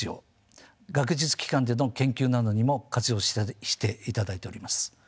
学術機関での研究などにも活用していただいております。